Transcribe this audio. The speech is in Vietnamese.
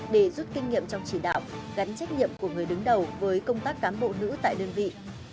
để rút kinh nghiệm trong chỉ đạo gắn trách nhiệm của người đứng đầu với công tác cán bộ nữ tại đơn vị